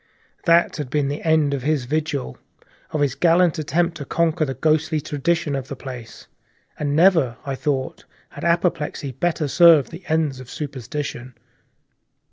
That had been the end of his vigil, of his gallant attempt to conquer the ghostly tradition of the place, and never, I thought, had apoplexy better served the ends of superstition.